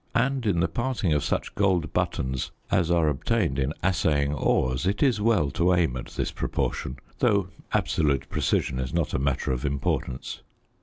And in the parting of such gold buttons as are obtained in assaying ores it is well to aim at this proportion, though absolute precision is not a matter of importance.